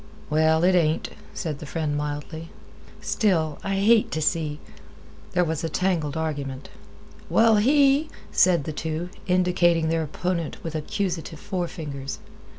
"Well, it ain't," said the friend mildly. "Still I hate t' see—" There was a tangled argument. "Well, he—," said the two, indicating their opponent with accusative forefingers.